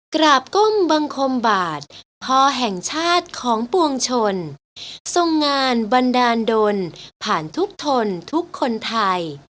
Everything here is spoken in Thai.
กราบก้มบังคมบาทพอแห่งชาติของปวงชนทรงงานบันดาลดนผ่านทุกทนทุกคนไทย